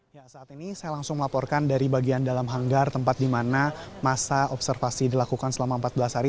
ya saat ini saya langsung melaporkan dari bagian dalam hanggar tempat di mana masa observasi dilakukan selama empat belas hari